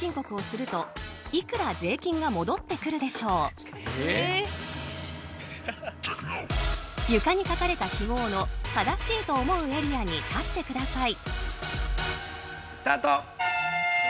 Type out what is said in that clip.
では床に書かれた記号の正しいと思うエリアに立って下さいスタート！